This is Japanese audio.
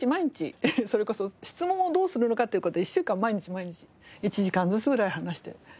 それこそ質問をどうするのかっていう事を１週間毎日毎日１時間ずつぐらい話して。